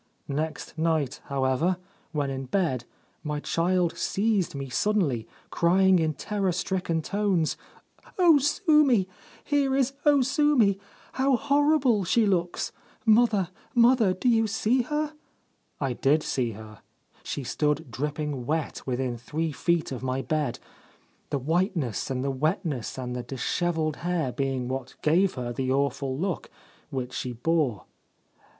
Next night, however, when in bed, my child seized me suddenly, crying in terror stricken tones, " O Sumi — here is O Sumi — how horrible she looks ! Mother, mother, do you see her?" I did see her. She stood dripping wet within three feet of my bed, the whiteness and the wetness and the dishevelled hair being what gave her the awful look which she bore.